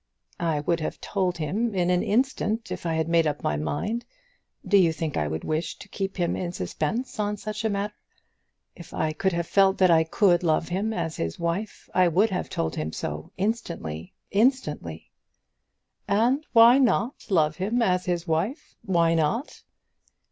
"I would have told him so in an instant, if I had made up my mind. Do you think I would wish to keep him in suspense on such a matter? If I could have felt that I could love him as his wife, I would have told him so instantly, instantly." "And why not love him as his wife why not?"